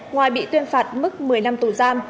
ngoài bị tuyên phạt mức một mươi năm tù giam